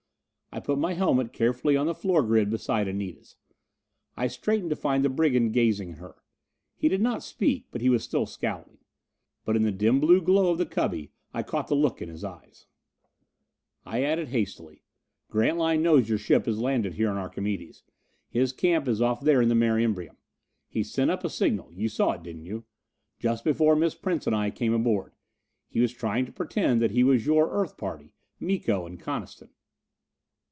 I put my helmet carefully on the floor grid beside Anita's. I straightened to find the brigand gazing at her. He did not speak; he was still scowling. But in the dim blue glow of the cubby I caught the look in his eyes. I said hastily, "Grantline knows your ship has landed here on Archimedes. His camp is off there on the Mare Imbrium. He sent up a signal you saw it, didn't you? just before Miss Prince and I came aboard. He was trying to pretend that he was your Earth party, Miko and Coniston."